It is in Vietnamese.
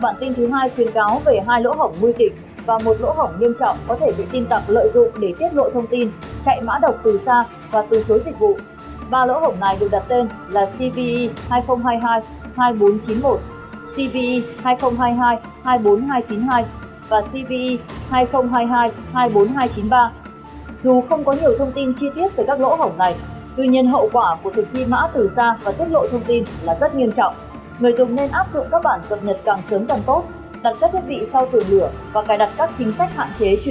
bản tin thứ hai khuyên cáo về hai lỗ hổng nguy kịch và một lỗ hổng nghiêm trọng có thể bị tin tặng lợi dụng để tiết lộ thông tin chạy mã độc từ xa và từ chối dịch vụ